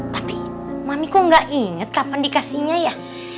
tapi mami kok gak inget kapan dikasihnya ya